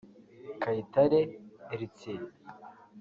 Kayitare Heritier